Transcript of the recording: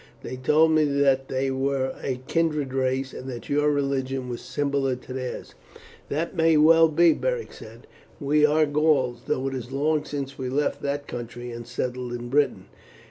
They told me that they were a kindred race, and that your religion was similar to theirs." "That may well be," Beric said. "We are Gauls, though it is long since we left that country and settled in Britain.